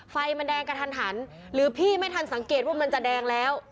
ไฟมันแดงกระทันหันหรือพี่ไม่ทันสังเกตว่ามันจะแดงแล้ว